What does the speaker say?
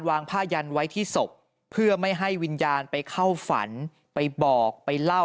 หลังจากพบศพผู้หญิงปริศนาตายตรงนี้ครับ